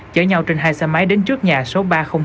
chở nhau trên hai xe máy đến trước nhà số ba trăm linh tám